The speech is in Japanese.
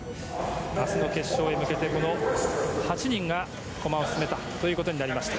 明日の決勝に向けてこの８人が駒を進めたということになりました。